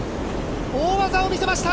大技を見せました。